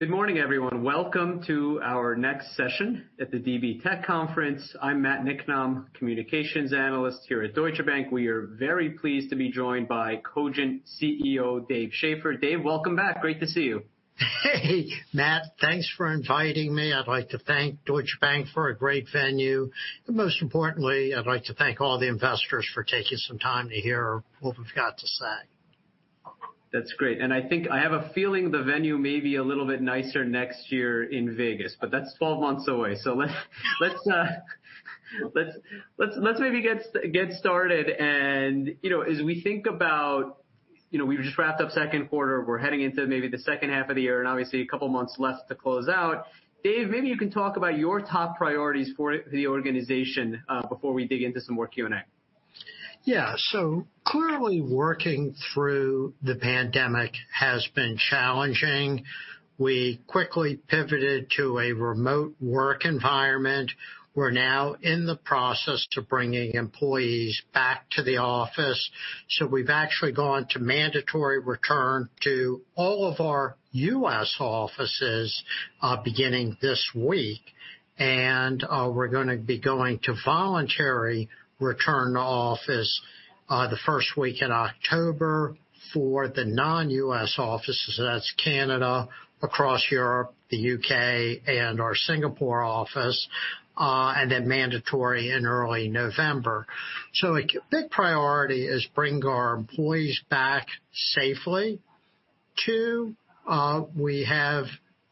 Good morning, everyone. Welcome to our next session at the DB Tech Conference. I'm Matt Niknam, communications analyst here at Deutsche Bank. We are very pleased to be joined by Cogent CEO, Dave Schaeffer. Dave, welcome back. Great to see you. Hey, Matt. Thanks for inviting me. I'd like to thank Deutsche Bank for a great venue, but most importantly, I'd like to thank all the investors for taking some time to hear what we've got to say. That's great. I think I have a feeling the venue may be a little bit nicer next year in Vegas, but that's 12 months away. Let's maybe get started and as we think about, we've just wrapped up second quarter, we're heading into maybe the second half of the year, and obviously a couple of months left to close out. Dave, maybe you can talk about your top priorities for the organization, before we dig into some more Q&A. Yeah. Clearly working through the pandemic has been challenging. We quickly pivoted to a remote work environment. We're now in the process to bringing employees back to the office. We've actually gone to mandatory return to all of our U.S. offices, beginning this week. We're going to be going to voluntary return to office, the first week in October for the non-U.S. offices, so that's Canada, across Europe, the U.K., and our Singapore office, and then mandatory in early November. A big priority is bring our employees back safely. Two, we have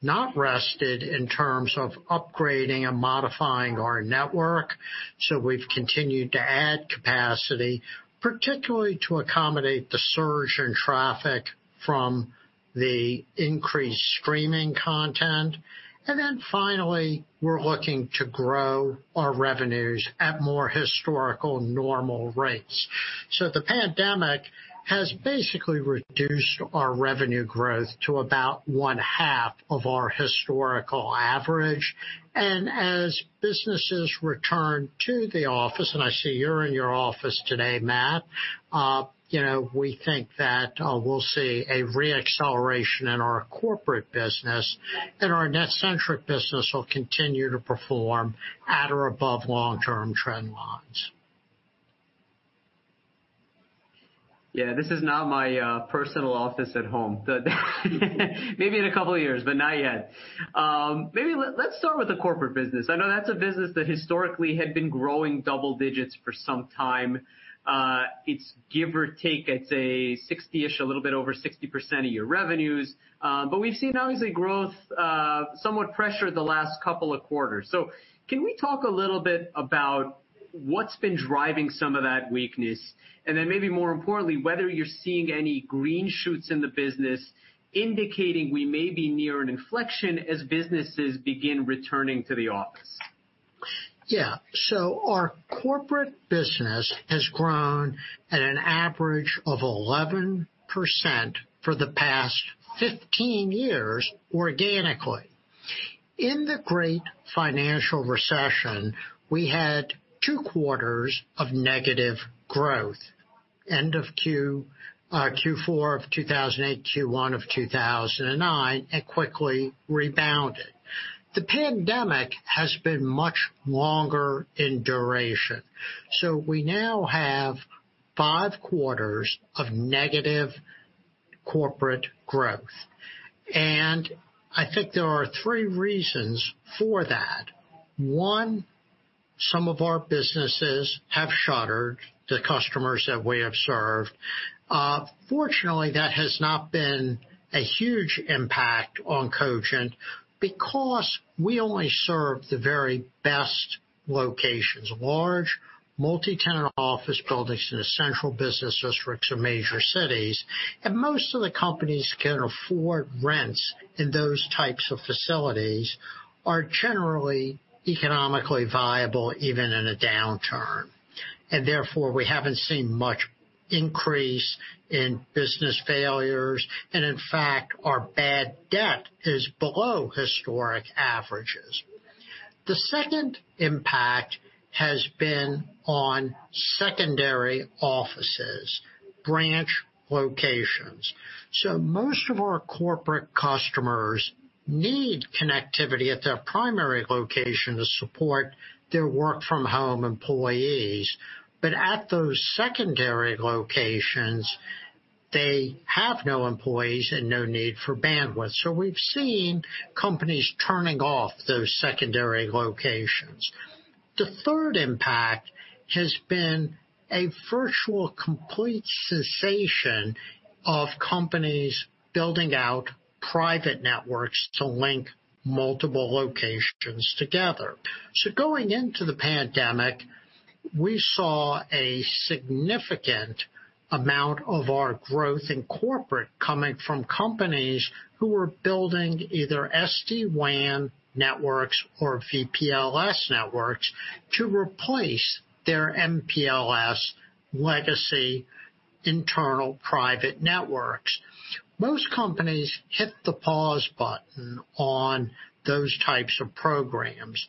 not rested in terms of upgrading and modifying our network, so we've continued to add capacity, particularly to accommodate the surge in traffic from the increased streaming content. Finally, we're looking to grow our revenues at more historical normal rates. The pandemic has basically reduced our revenue growth to about one half of our historical average. As businesses return to the office, and I see you're in your office today, Matt, we think that we'll see a re-acceleration in our corporate business and our NetCentric business will continue to perform at or above long-term trend lines. Yeah, this is not my personal office at home. Maybe in a couple of years, but not yet. Let's start with the corporate business. I know that's a business that historically had been growing double digits for some time. It's give or take, I'd say 60-ish, a little bit over 60% of your revenues. We've seen obviously growth, somewhat pressured the last couple of quarters. Can we talk a little bit about what's been driving some of that weakness, and then maybe more importantly, whether you're seeing any green shoots in the business indicating we may be near an inflection as businesses begin returning to the office? Yeah. Our corporate business has grown at an average of 11% for the past 15 years organically. In the great financial recession, we had two quarters of negative growth, end of Q4 of 2008, Q1 of 2009, and quickly rebounded. The pandemic has been much longer in duration. We now have five quarters of negative corporate growth. I think there are three reasons for that. One, some of our businesses have shuttered the customers that we have served. Fortunately, that has not been a huge impact on Cogent because we only serve the very best locations, large multi-tenant office buildings in the central business districts of major cities. Most of the companies can afford rents in those types of facilities are generally economically viable, even in a downturn. Therefore, we haven't seen much increase in business failures, and in fact, our bad debt is below historic averages. The second impact has been on secondary offices, branch locations. Most of our corporate customers need connectivity at their primary location to support their work from home employees. At those secondary locations, they have no employees and no need for bandwidth. We've seen companies turning off those secondary locations. The third impact has been a virtual complete cessation of companies building out private networks to link multiple locations together. Going into the pandemic, we saw a significant amount of our growth in corporate coming from companies who were building either SD-WAN networks or VPLS networks to replace their MPLS legacy internal private networks. Most companies hit the pause button on those types of programs.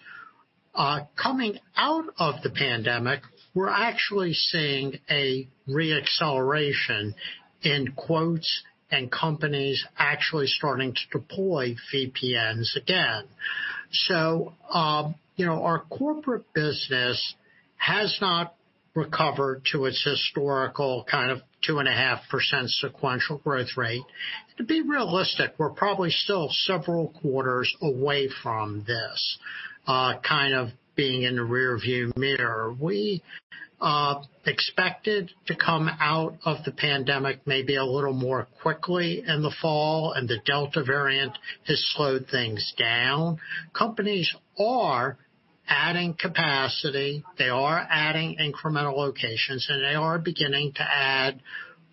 Coming out of the pandemic, we're actually seeing a re-acceleration in quotes and companies actually starting to deploy VPNs again. Our corporate business has not recovered to its historical kind of 2.5% sequential growth rate. To be realistic, we're probably still several quarters away from this kind of being in the rear view mirror. We expected to come out of the pandemic maybe a little more quickly in the fall, and the Delta variant has slowed things down. Companies are adding capacity, they are adding incremental locations, and they are beginning to add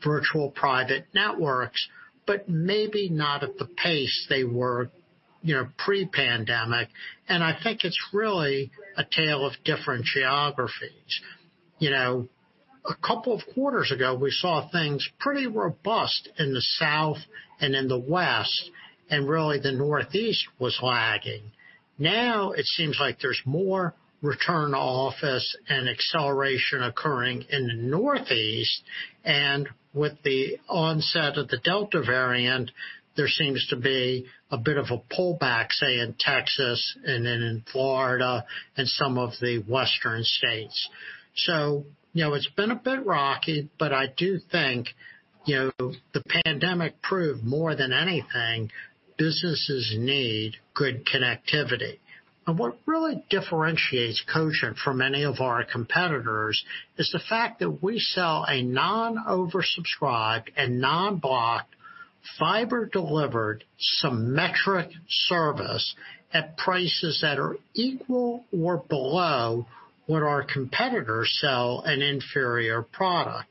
virtual private networks, but maybe not at the pace they were pre-pandemic. I think it's really a tale of different geographies. A couple of quarters ago, we saw things pretty robust in the South and in the West, and really the Northeast was lagging. It seems like there's more return to office and acceleration occurring in the Northeast, with the onset of the Delta variant, there seems to be a bit of a pullback, say, in Texas and then in Florida and some of the Western states. It's been a bit rocky, but I do think, the pandemic proved more than anything, businesses need good connectivity. What really differentiates Cogent from many of our competitors is the fact that we sell a non-oversubscribed and non-blocked fiber-delivered symmetric service at prices that are equal or below what our competitors sell an inferior product.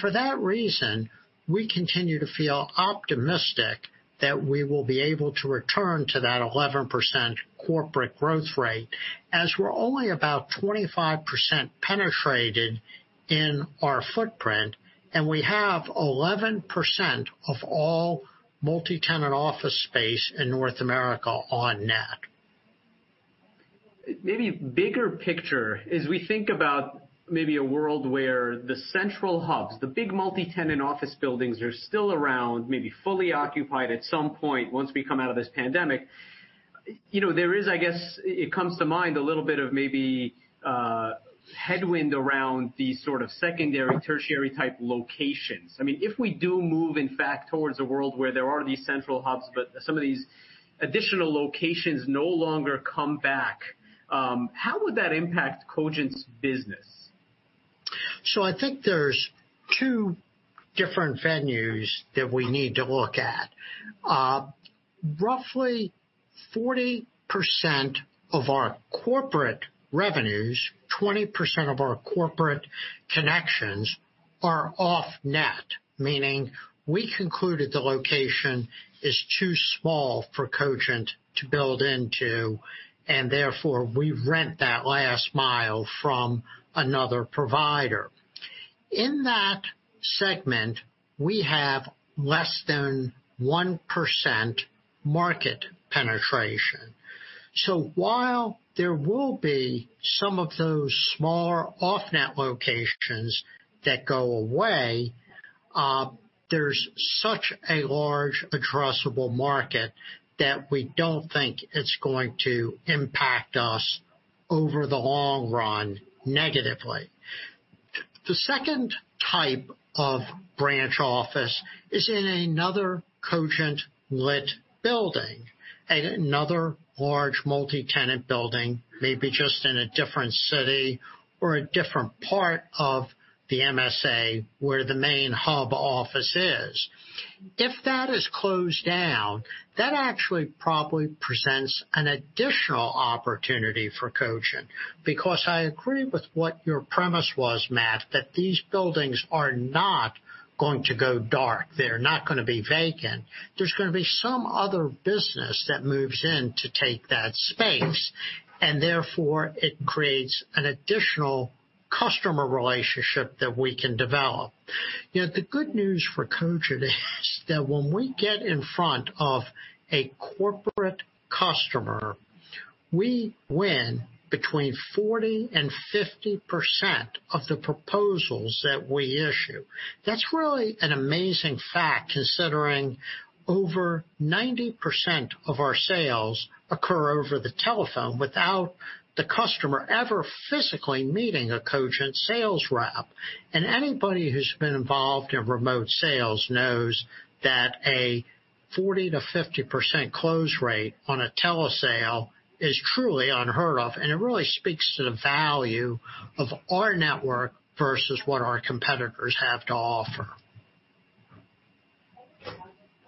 For that reason, we continue to feel optimistic that we will be able to return to that 11% corporate growth rate as we're only about 25% penetrated in our footprint, and we have 11% of all multi-tenant office space in North America on net. Maybe bigger picture is we think about maybe a world where the central hubs, the big multi-tenant office buildings are still around, maybe fully occupied at some point once we come out of this pandemic. There is, I guess, it comes to mind a little bit of maybe headwind around these sort of secondary, tertiary type locations. If we do move, in fact, towards a world where there are these central hubs, but some of these additional locations no longer come back, how would that impact Cogent business? I think there's two different venues that we need to look at. Roughly 40% of our corporate revenues, 20% of our corporate connections are off-net, meaning we concluded the location is too small for Cogent to build into, and therefore we rent that last mile from another provider. In that segment, we have less than 1% market penetration. While there will be some of those smaller off-net locations that go away, there's such a large addressable market that we don't think it's going to impact us over the long run negatively. The second type of branch office is in another Cogent-lit building, another large multi-tenant building, maybe just in a different city or a different part of the MSA where the main hub office is. If that is closed down, that actually probably presents an additional opportunity for Cogent, because I agree with what your premise was, Matt, that these buildings are not going to go dark. They're not going to be vacant. There's going to be some other business that moves in to take that space, and therefore it creates an additional customer relationship that we can develop. The good news for Cogent is that when we get in front of a corporate customer, we win between 40% and 50% of the proposals that we issue. That's really an amazing fact considering over 90% of our sales occur over the telephone without the customer ever physically meeting a Cogent sales rep. Anybody who's been involved in remote sales knows that a 40%-50% close rate on a telesale is truly unheard of, and it really speaks to the value of our network versus what our competitors have to offer.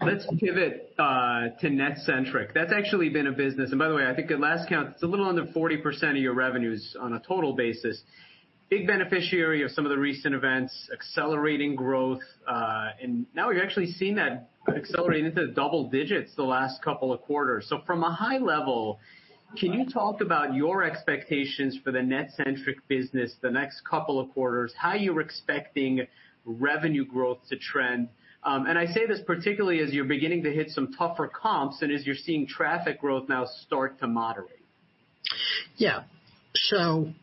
Let's pivot to NetCentric. That's actually been a business, and by the way, I think at last count, it's a little under 40% of your revenues on a total basis. Big beneficiary of some of the recent events, accelerating growth. Now we're actually seeing that accelerate into double digits the last couple of quarters. From a high level, can you talk about your expectations for the NetCentric business the next couple of quarters, how you're expecting revenue growth to trend? I say this particularly as you're beginning to hit some tougher comps and as you're seeing traffic growth now start to moderate. Again,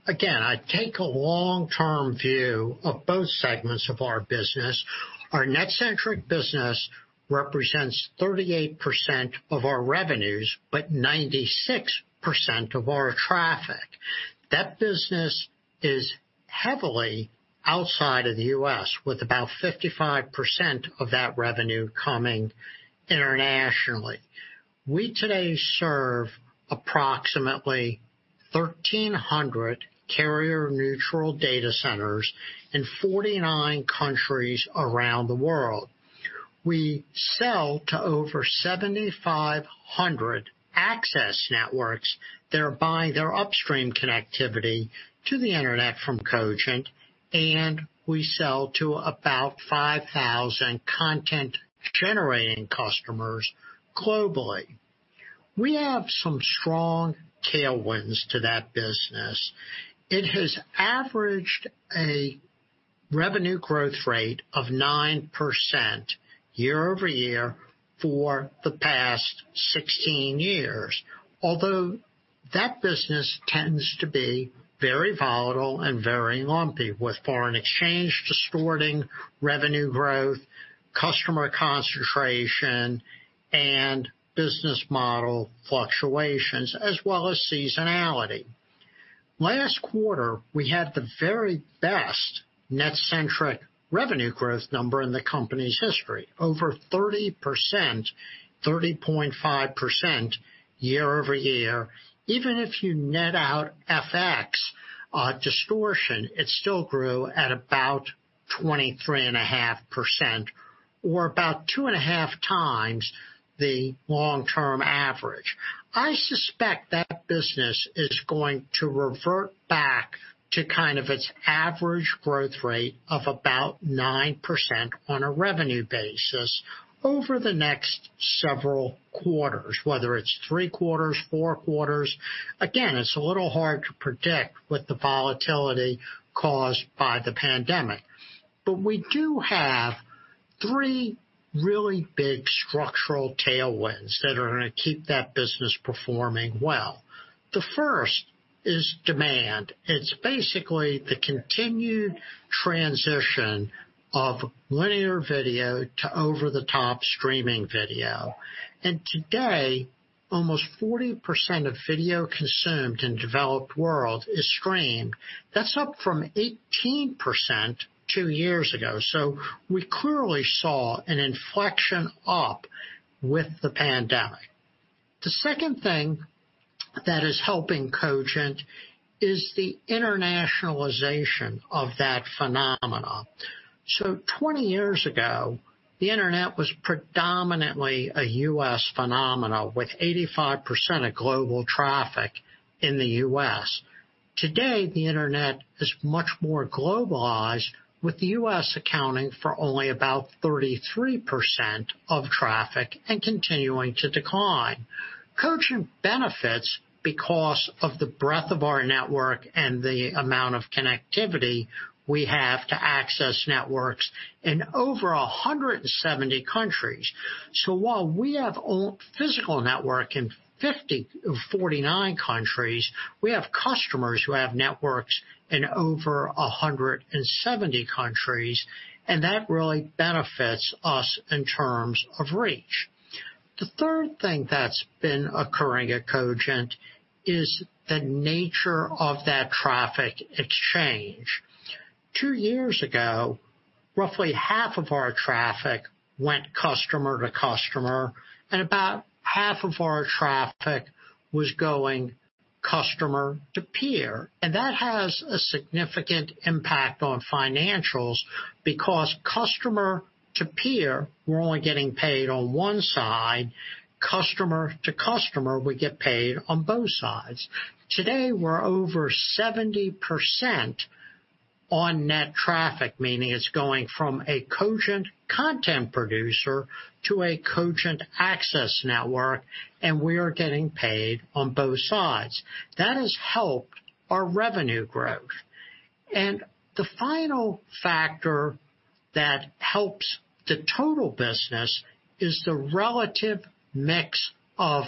I take a long-term view of both segments of our business. Our NetCentric business represents 38% of our revenues, but 96% of our traffic. That business is heavily outside of the U.S., with about 55% of that revenue coming internationally. We today serve approximately 1,300 carrier-neutral data centers in 49 countries around the world. We sell to over 7,500 access networks that are buying their upstream connectivity to the internet from Cogent, and we sell to about 5,000 content-generating customers globally. We have some strong tailwinds to that business. It has averaged a revenue growth rate of 9% year-over-year for the past 16 years. Although, that business tends to be very volatile and very lumpy, with foreign exchange distorting revenue growth, customer concentration, and business model fluctuations, as well as seasonality. Last quarter, we had the very best NetCentric revenue growth number in the company's history, over 30%, 30.5% year-over-year. Even if you net out FX distortion, it still grew at about 23.5%, or about two and a half times the long-term average. I suspect that business is going to revert back to kind of its average growth rate of about 9% on a revenue basis over the next several quarters, whether it's three quarters, four quarters. Again, it's a little hard to predict with the volatility caused by the pandemic. We do have three really big structural tailwinds that are going to keep that business performing well. The first is demand. It's basically the continued transition of linear video to over-the-top streaming video. Today, almost 40% of video consumed in developed world is streamed. That's up from 18% two years ago. We clearly saw an inflection up with the pandemic. The second thing that is helping Cogent is the internationalization of that phenomenon. 20 years ago, the internet was predominantly a U.S. phenomenon, with 85% of global traffic in the U.S. Today, the internet is much more globalized, with the U.S. accounting for only about 33% of traffic and continuing to decline. Cogent benefits because of the breadth of our network and the amount of connectivity we have to access networks in over 170 countries. While we have physical network in 50, 49 countries, we have customers who have networks in over 170 countries, and that really benefits us in terms of reach. The third thing that's been occurring at Cogent is the nature of that traffic exchange. Two years ago, roughly half of our traffic went customer to customer, about half of our traffic was going customer to peer. That has a significant impact on financials because customer to peer, we're only getting paid on one side, customer to customer, we get paid on both sides. Today, we're over 70% on net traffic, meaning it's going from a Cogent content producer to a Cogent access network, we are getting paid on both sides. That has helped our revenue growth. The final factor that helps the total business is the relative mix of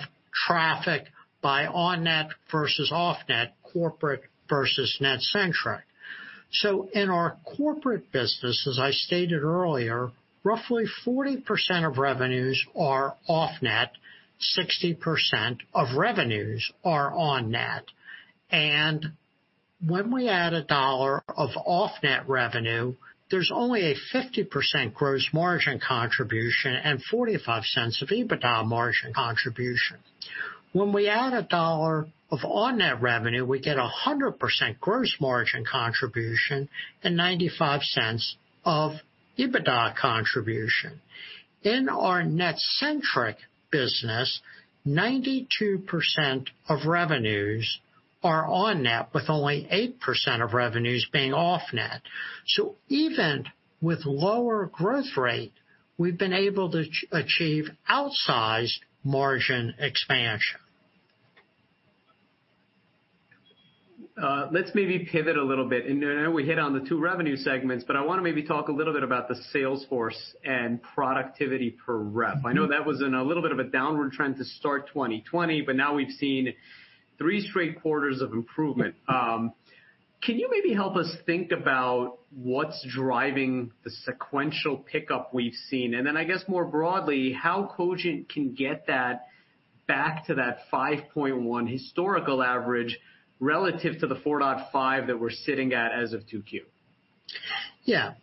traffic by on-net versus off-net, corporate versus NetCentric. In our corporate business, as I stated earlier, roughly 40% of revenues are off-net, 60% of revenues are on-net. When we add $1 of off-net revenue, there's only a 50% gross margin contribution and $0.45 of EBITDA margin contribution. When we add a dollar of on-net revenue, we get 100% gross margin contribution and $0.95 of EBITDA contribution. In our NetCentric business, 92% of revenues are on-net, with only 8% of revenues being off-net. Even with lower growth rate, we've been able to achieve outsized margin expansion. Let's maybe pivot a little bit. I know we hit on the two revenue segments, but I want to maybe talk a little bit about the sales force and productivity per rep. I know that was in a little bit of a downward trend to start 2020, but now we've seen thre straight quarters of improvement. Can you maybe help us think about what's driving the sequential pickup we've seen? Then, I guess more broadly, how Cogent can get that back to that 5.1 historical average relative to the 4.5 that we're sitting at as of 2Q? Yeah.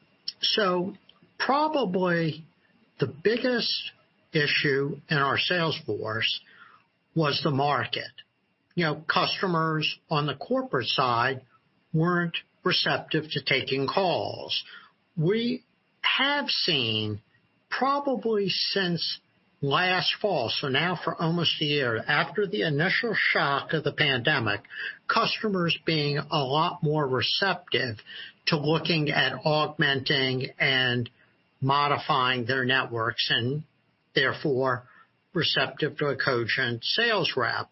Probably the biggest issue in our sales force was the market. Customers on the corporate side weren't receptive to taking calls. We have seen, probably since last fall, so now for almost a year after the initial shock of the pandemic, customers being a lot more receptive to looking at augmenting and modifying their networks, and therefore receptive to a Cogent sales rep.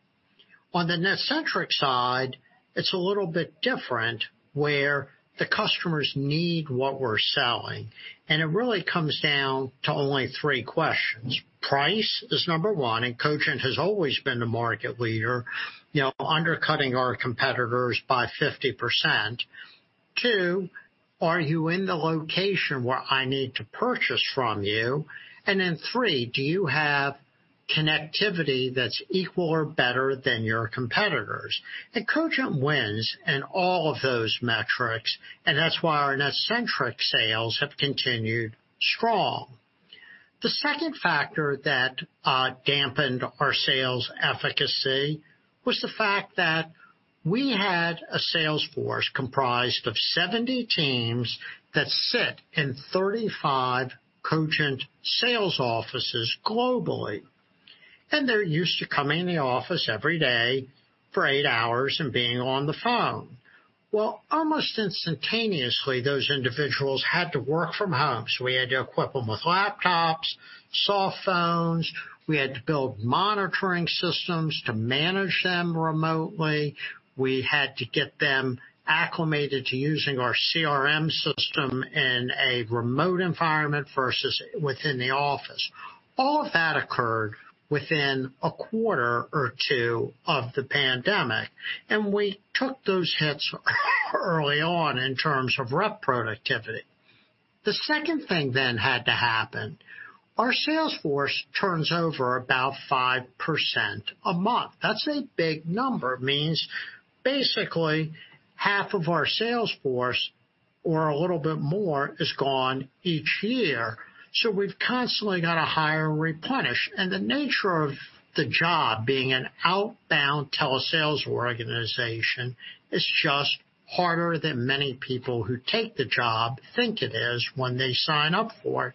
On the NetCentric side, it's a little bit different, where the customers need what we're selling, and it really comes down to only three questions. Price is number one, and Cogent has always been the market leader, undercutting our competitors by 50%. Two, are you in the location where I need to purchase from you? Three, do you have connectivity that's equal or better than your competitors? Cogent wins in all of those metrics, and that's why our NetCentric sales have continued strong. The second factor that dampened our sales efficacy was the fact that we had a sales force comprised of 70 teams that sit in 35 Cogent sales offices globally, and they're used to coming in the office every day for eight hours and being on the phone. Almost instantaneously, those individuals had to work from home. We had to equip them with laptops, soft phones. We had to build monitoring systems to manage them remotely. We had to get them acclimated to using our CRM system in a remote environment versus within the office. All of that occurred within a quarter or two of the pandemic, and we took those hits early on in terms of rep productivity. The second thing then had to happen. Our sales force turns over about 5% a month. That's a big number. It means basically half of our sales force, or a little bit more, is gone each year. We've constantly got to hire and replenish. The nature of the job being an outbound telesales organization is just harder than many people who take the job think it is when they sign up for it.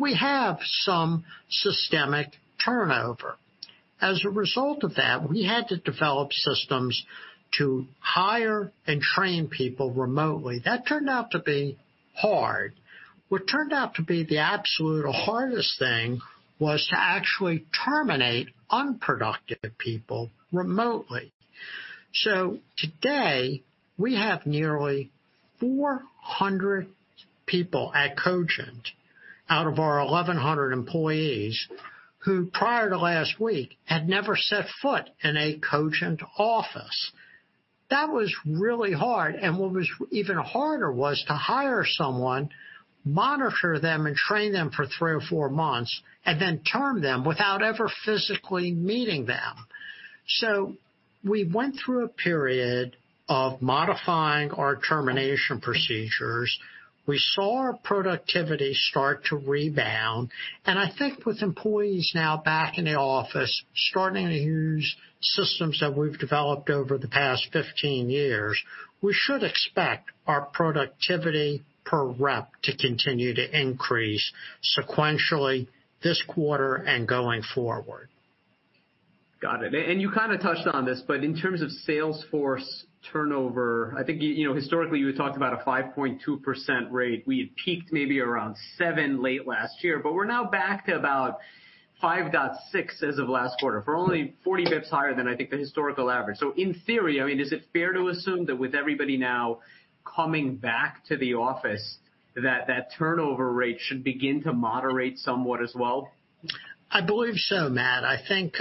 We have some systemic turnover. As a result of that, we had to develop systems to hire and train people remotely. That turned out to be hard. What turned out to be the absolute hardest thing was to actually terminate unproductive people remotely. Today, we have nearly 400 people at Cogent, out of our 1,100 employees, who prior to last week, had never set foot in a Cogent office. That was really hard, and what was even harder was to hire someone, monitor them, and train them for three or four months, and then term them without ever physically meeting them. We went through a period of modifying our termination procedures. We saw our productivity start to rebound, and I think with employees now back in the office, starting to use systems that we've developed over the past 15 years, we should expect our productivity per rep to continue to increase sequentially this quarter and going forward. You kind of touched on this, but in terms of sales force turnover, I think historically, you had talked about a 5.2% rate. We had peaked maybe around 7% late last year. We're now back to about 5.6% as of last quarter. We're only 40 basis points higher than, I think, the historical average. In theory, is it fair to assume that with everybody now coming back to the office, that turnover rate should begin to moderate somewhat as well? I believe so, Matt. I think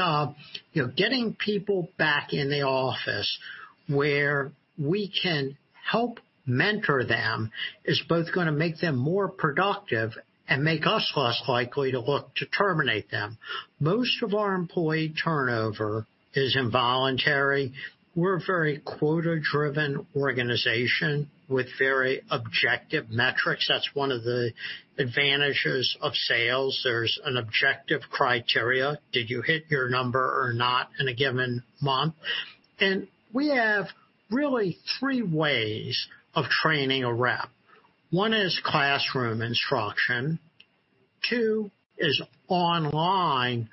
getting people back in the office where we can help mentor them is both going to make them more productive and make us less likely to look to terminate them. Most of our employee turnover is involuntary. We're a very quota-driven organization with very objective metrics. That's one of the advantages of sales. There's an objective criteria. Did you hit your number or not in a given month? We have really three ways of training a rep. One is classroom instruction, two is online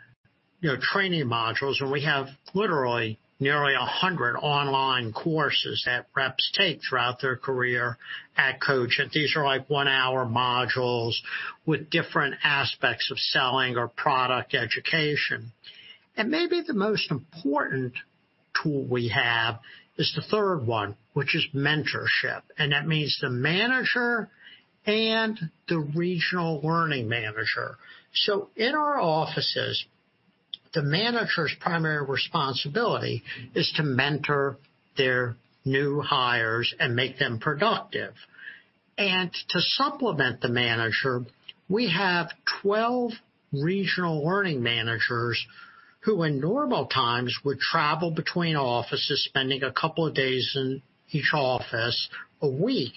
training modules, and we have literally nearly 100 online courses that reps take throughout their career at Cogent. These are one hour modules with different aspects of selling or product education. Maybe the most important tool we have is the third one, which is mentorship, and that means the manager and the regional learning manager. In our offices, the manager's primary responsibility is to mentor their new hires and make them productive. To supplement the manager, we have 12 regional learning managers who, in normal times, would travel between offices, spending a couple of days in each office a week,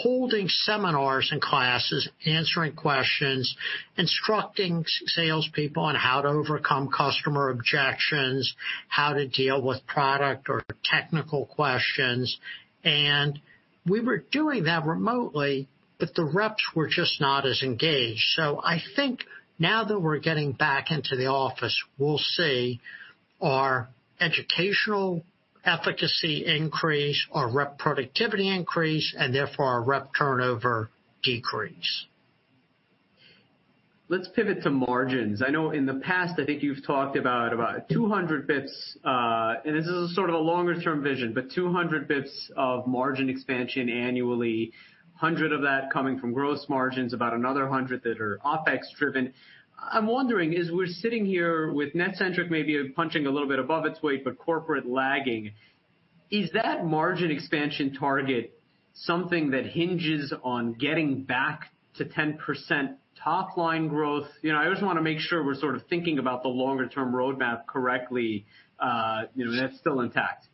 holding seminars and classes, answering questions, instructing salespeople on how to overcome customer objections, how to deal with product or technical questions. We were doing that remotely, but the reps were just not as engaged. I think now that we're getting back into the office, we'll see our educational efficacy increase, our rep productivity increase, and therefore, our rep turnover decrease. Let's pivot to margins. I know in the past, I think you've talked about 200 basis points, and this is a sort of a longer-term vision, but 200 basis points of margin expansion annually, 100 basis points of that coming from gross margins, about another 100 basis points that are OpEx driven. I'm wondering, as we're sitting here with NetCentric maybe punching a little bit above its weight, but corporate lagging, is that margin expansion target something that hinges on getting back to 10% top-line growth? I just want to make sure we're sort of thinking about the longer-term roadmap correctly. That's still intact.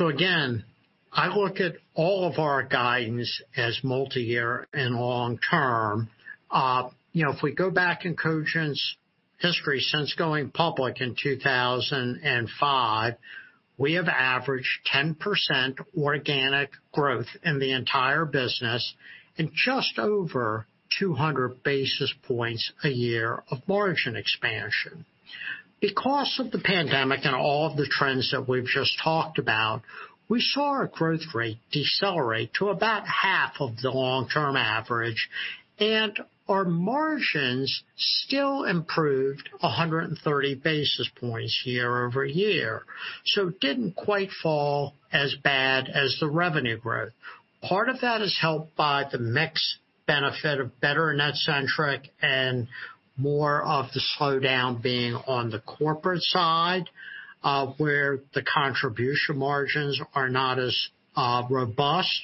Again, I look at all of our guidance as multi-year and long-term. If we go back in Cogent's history since going public in 2005, we have averaged 10% organic growth in the entire business and just over 200 basis points a year of margin expansion. Because of the pandemic and all of the trends that we've just talked about, we saw our growth rate decelerate to about half of the long-term average, and our margins still improved 130 basis points year-over-year. It didn't quite fall as bad as the revenue growth. Part of that is helped by the mix benefit of better NetCentric and more of the slowdown being on the corporate side, where the contribution margins are not as robust.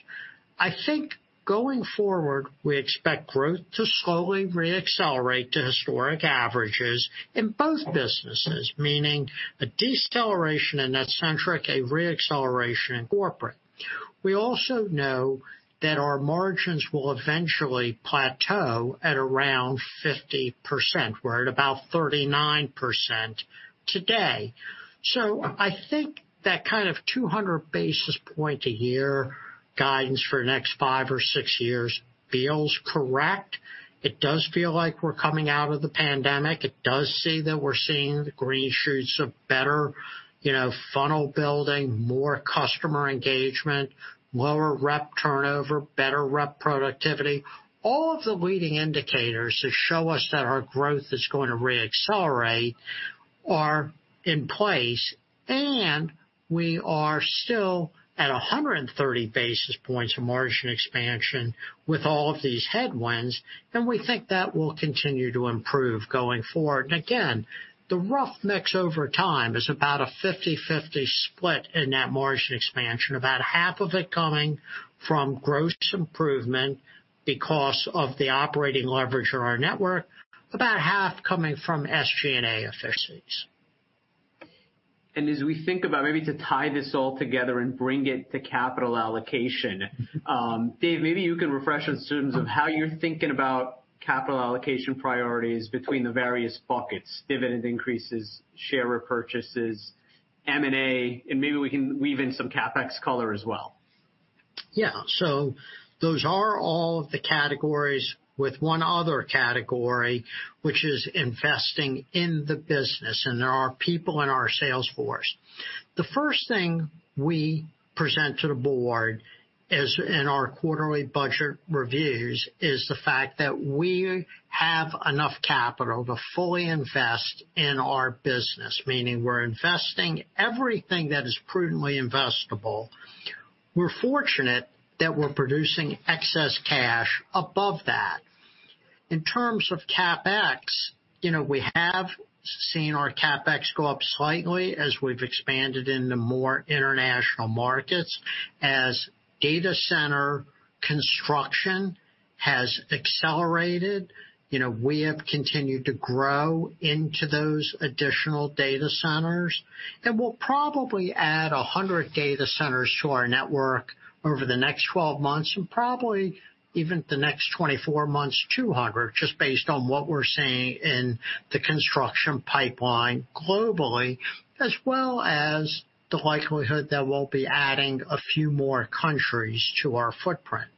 I think going forward, we expect growth to slowly re-accelerate to historic averages in both businesses, meaning a deceleration in NetCentric, a re-acceleration in corporate. We also know that our margins will eventually plateau at around 50%. We're at about 39% today. I think that kind of 200 basis points a year guidance for the next five or six years feels correct. It does feel like we're coming out of the pandemic. It does see that we're seeing the green shoots of better funnel building, more customer engagement, lower rep turnover, better rep productivity. All of the leading indicators that show us that our growth is going to re-accelerate are in place, and we are still at 130 basis points of margin expansion with all of these headwinds, and we think that will continue to improve going forward. Again, the rough mix over time is about a 50/50 split in that margin expansion. About half of it coming from gross improvement because of the operating leverage on our network, about half coming from SG&A efficiencies. As we think about maybe to tie this all together and bring it to capital allocation, Dave, maybe you can refresh us in terms of how you're thinking about capital allocation priorities between the various buckets, dividend increases, share repurchases, M&A, and maybe we can weave in some CapEx color as well. Yeah. Those are all of the categories with one other category, which is investing in the business, and there are people in our sales force. The first thing we present to the board is in our quarterly budget reviews, is the fact that we have enough capital to fully invest in our business, meaning we're investing everything that is prudently investable. We're fortunate that we're producing excess cash above that. In terms of CapEx, we have seen our CapEx go up slightly as we've expanded into more international markets. As data center construction has accelerated, we have continued to grow into those additional data centers, and we'll probably add 100 data centers to our network over the next 12 months, and probably even the next 24 months, 200, just based on what we're seeing in the construction pipeline globally, as well as the likelihood that we'll be adding a few more countries to our footprint.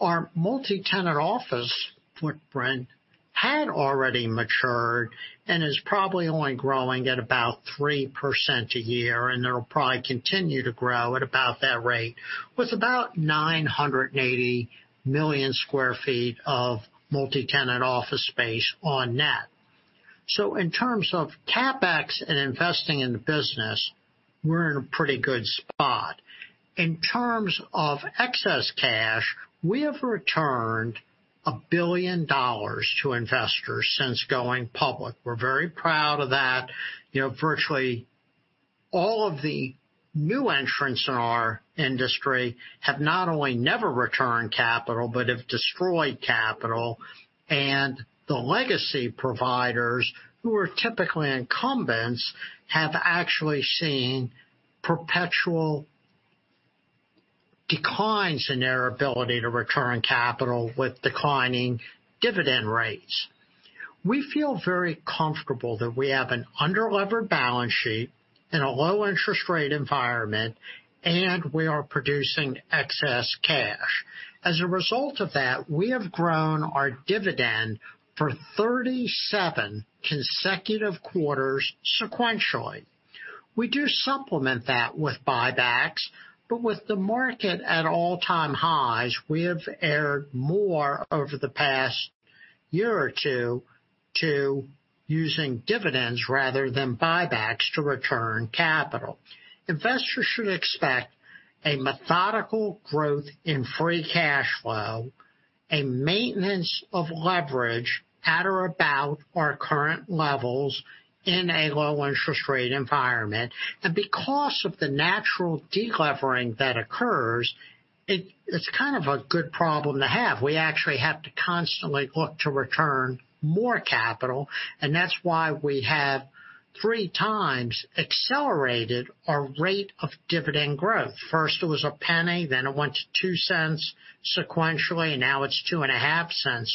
Our multi-tenant office footprint had already matured and is probably only growing at about 3% a year, and it'll probably continue to grow at about that rate, with about 980 million sq ft of multi-tenant office space on net. In terms of CapEx and investing in the business, we're in a pretty good spot. In terms of excess cash, we have returned $1 billion to investors since going public. We're very proud of that. Virtually all of the new entrants in our industry have not only never returned capital, but have destroyed capital, and the legacy providers, who are typically incumbents, have actually seen perpetual declines in their ability to return capital with declining dividend rates. We feel very comfortable that we have an under-levered balance sheet in a low-interest rate environment, and we are producing excess cash. As a result of that, we have grown our dividend for 37 consecutive quarters sequentially. We do supplement that with buybacks, but with the market at all-time highs, we have erred more over the past year or two to using dividends rather than buybacks to return capital. Investors should expect a methodical growth in free cash flow, a maintenance of leverage at or about our current levels in a low-interest rate environment. Because of the natural de-levering that occurs, it's kind of a good problem to have. We actually have to constantly look to return more capital, and that's why we have three times accelerated our rate of dividend growth. First it was $0.01, then it went to $0.02 sequentially, now it's $0.025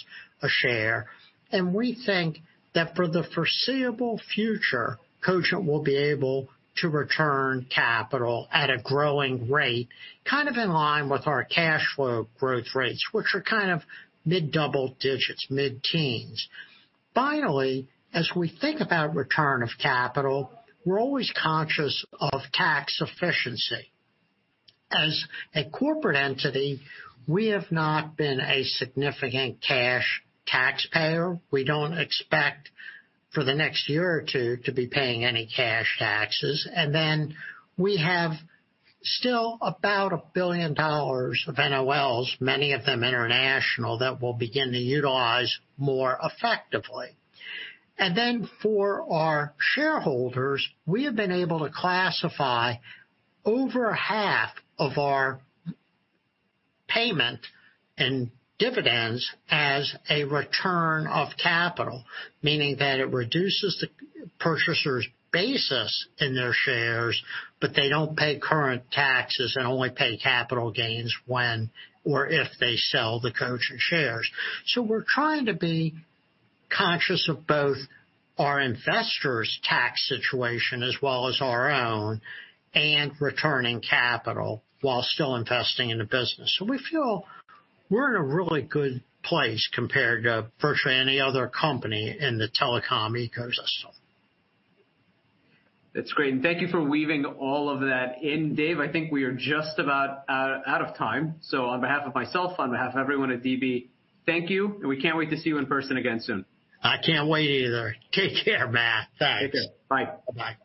a share. We think that for the foreseeable future, Cogent will be able to return capital at a growing rate, kind of in line with our cash flow growth rates, which are mid-double digits, mid-teens. Finally, as we think about return of capital, we're always conscious of tax efficiency. As a corporate entity, we have not been a significant cash taxpayer. We don't expect for the next one or two years to be paying any cash taxes. We have still about $1 billion of NOLs, many of them international, that we'll begin to utilize more effectively. For our shareholders, we have been able to classify over half of our payment in dividends as a return of capital, meaning that it reduces the purchaser's basis in their shares, but they don't pay current taxes and only pay capital gains when or if they sell the Cogent shares. We're trying to be conscious of both our investors' tax situation as well as our own, and returning capital while still investing in the business. We feel we're in a really good place compared to virtually any other company in the telecom ecosystem. That's great, and thank you for weaving all of that in, Dave. I think we are just about out of time. On behalf of myself, on behalf of everyone at DB, thank you, and we can't wait to see you in person again soon. I can't wait either. Take care, Matt. Thanks. Take care. Bye. Bye-bye.